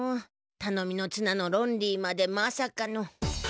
たのみのつなのロンリーまでまさかの。